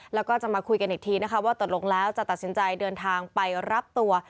แล้วก็จะมาคุยกันอีกทีนะคะว่าตกลงแล้วจะตัดสินใจเดินทางไปรับตัว